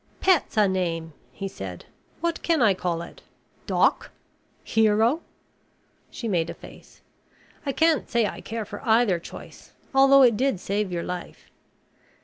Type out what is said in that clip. "Pet's a name," he said. "What can I call it? Doc? Hero?" She made a face. "I can't say I care for either choice, although it did save your life."